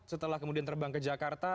setelah kemudian terbang ke jakarta